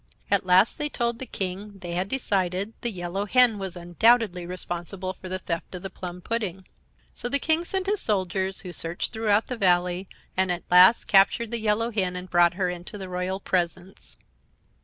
At last they told the King they had decided the Yellow Hen was undoubtedly responsible for the theft of the plum pudding. So the King sent his soldiers, who searched throughout the Valley and at last captured the Yellow Hen and brought her into the royal presence.